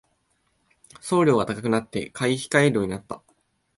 送料が高くなって買い控えるようになった